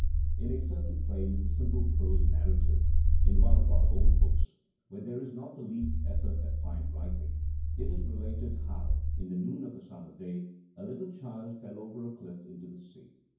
In a certain plain, simple prose narrative in one of our old books, where there is not the least effort at fine writing, it is related how, in the noon of a summer day, a little child fell over a cliff into the sea.